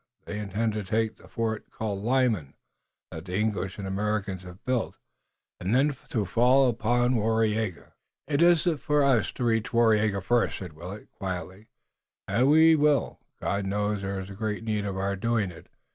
They intend to take the fort called Lyman, that the English and Americans have built, and then to fall upon Waraiyageh." "It is for us to reach Waraiyageh first," said Willet, quietly, "and we will. God knows there is great need of our doing it.